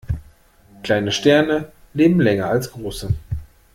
Kleine Sterne leben länger als große.